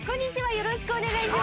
よろしくお願いします。